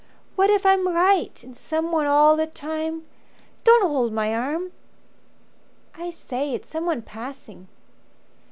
What if I'm right, and someone all the time Don't hold my arm!" "I say it's someone passing."